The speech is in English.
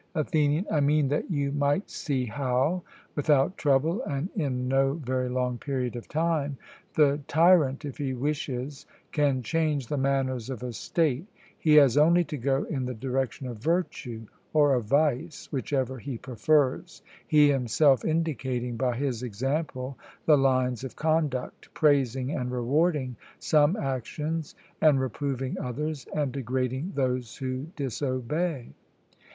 ATHENIAN: I mean that you might see how, without trouble and in no very long period of time, the tyrant, if he wishes, can change the manners of a state: he has only to go in the direction of virtue or of vice, whichever he prefers, he himself indicating by his example the lines of conduct, praising and rewarding some actions and reproving others, and degrading those who disobey.